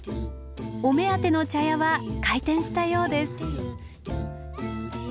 お目当ての茶屋は開店したようです。